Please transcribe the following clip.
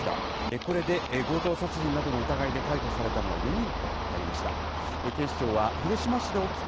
これで強盗殺人などの疑いで逮捕されたのは４人となりました。